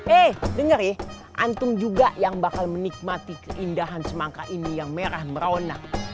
eh denger ya antum juga yang bakal menikmati keindahan semangka ini yang merah merona